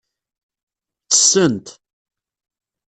Ttessent.